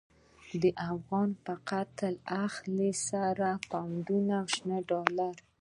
د افغان په قتل اخلی، سره پونډونه شنی ډالری